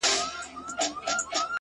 كه ملاقات مو په همدې ورځ وسو!!